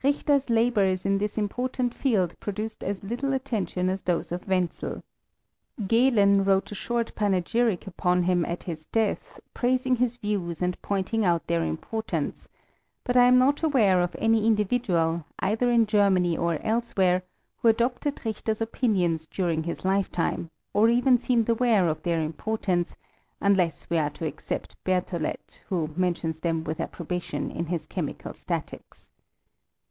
385 Richter*8 labours in this important field produced little attention as those of Wenzel. Gehlen ivfote a short panegyric upon him at his death, praising his views and panting out their import* mnce ; but I am not aware of any individual, either m Germany or elsewhere, who adopted Richter*s opinions during his lifetime, or even seemed aware of their importance, unless we are to except Ber tfaoUet, who mentions them with approbation in his Chemical Statics.